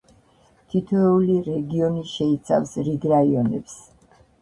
თითოეული რეგიონი შეიცავს რიგ რაიონებს.